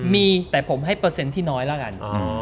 มีแต่ผมให้เปอร์เซ็นต์ที่น้อยแล้วกัน